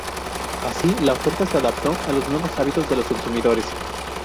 Así la oferta se adaptó a los nuevos hábitos de los consumidores.